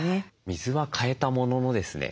水は換えたもののですね